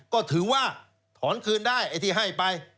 ก็ถือว่าถอนคืนได้ไอ้ที่ให้ไป